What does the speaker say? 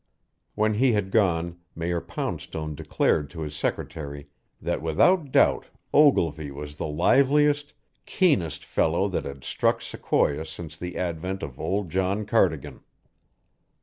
When he had gone, Mayor Poundstone declared to his secretary that without doubt Ogilvy was the livest, keenest fellow that had struck Sequoia since the advent of old John Cardigan.